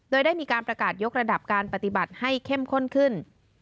โดยได้มีการประกาศยกระดับการปฏิบัติให้เข้มข้นขึ้น